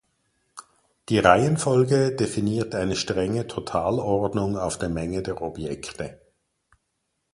Die Reihenfolge definiert eine strenge Totalordnung auf der Menge der Objekte.